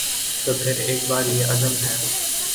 تو پھر ایک بار یہ عزم ہے